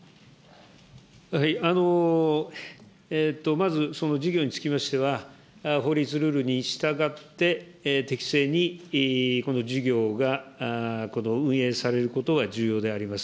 まずその事業につきましては、法律ルールに従って、適正にこの事業がこの運営されることは重要であります。